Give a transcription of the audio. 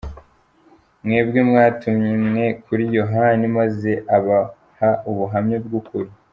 Mwebwe mwatumye kuri Yohani, maze abaha ubuhamya bw’ukuri.